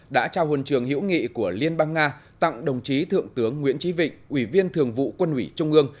đã trao hồn trường hữu nghị của liên bang nga tặng đồng chí thượng tướng nguyễn trí vịnh ủy viên thường vụ quân ủy trung ương